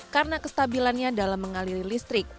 karena kestabilannya dalam mengaliri listrik